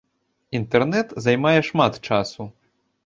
Інтэрнэт займае шмат часу.